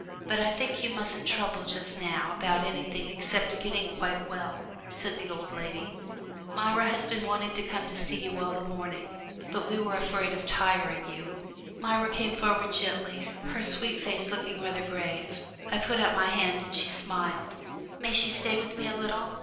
But I think you mustn't trouble just now about anything except getting quite well," said the old lady. "Myra has been wanting to come to see you all the morning, but we were afraid of tiring you." [Illustration: MYRA CAME FORWARD GENTLY, HER SWEET FACE LOOKING RATHER GRAVE.] Myra came forward gently, her sweet face looking rather grave. I put out my hand, and she smiled. "May she stay with me a little?"